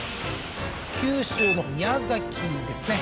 九州の宮崎ですね